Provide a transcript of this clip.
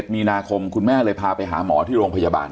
มีนาคมคุณแม่เลยพาไปหาหมอที่โรงพยาบาล